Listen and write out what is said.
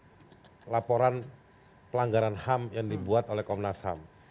ada laporan pelanggaran ham yang dibuat oleh komnas ham